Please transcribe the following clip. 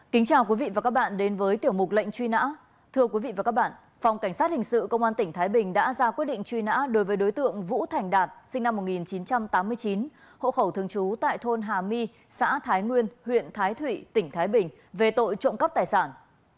phòng cảnh sát hình sự công an tỉnh thái bình đã ra quyết định truy nã đối với đối tượng vũ thành đạt sinh năm một nghìn chín trăm tám mươi chín hộ khẩu thường trú tại thôn hà my xã thái nguyên huyện thái thụy tỉnh thái bình về tội trộm cấp tài sản